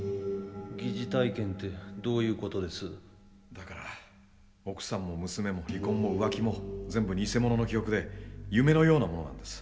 だから奥さんも娘も離婚も浮気も全部偽物の記憶で夢のようなものなんです。